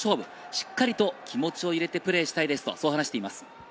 しっかりと気持ちを入れてプレーしたいですと話しています。